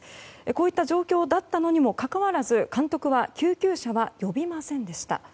こういった状況だったのにもかかわらず監督は救急車は呼びませんでした。